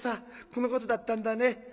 このことだったんだね。